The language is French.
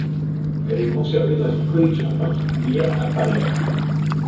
Elle est conservée dans une collection particulière, à Paris.